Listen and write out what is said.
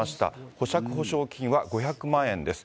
保釈保証金は５００万円です。